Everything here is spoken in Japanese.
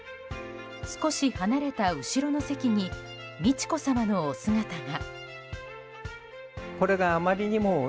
少し離れた後ろの席に美智子さまのお姿が。